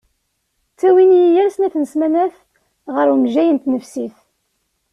Ttawin-iyi yal snat n smanat ɣer umejjay n tnefsit.